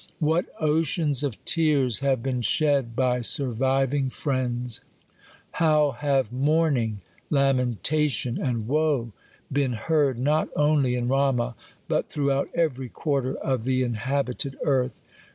What oceans of tears have been shed by surviving friendg I How have mourning, lamentation, and woe been heard not only in Rama, but throughout every quar ter of the inhabited earth